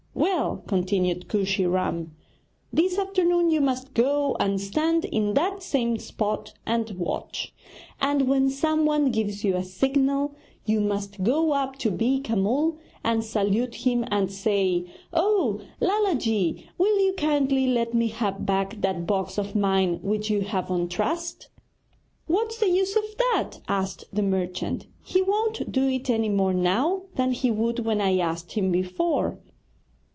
'Well,' continued Kooshy Ram, 'this afternoon you must go and stand in that same spot and watch; and when someone gives you a signal, you must go up to Beeka Mull and salute him and say, "Oh, Lala ji, will you kindly let me have back that box of mine which you have on trust?"' 'What's the use of that?' asked the merchant. 'He won't do it any more now than he would when I asked him before.'